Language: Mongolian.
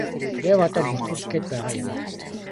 Яг одоо бүртгүүлэх гээд байгаа юм уу?